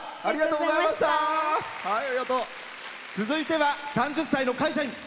続いては３０歳の会社員。